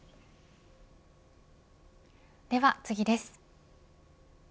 では次です。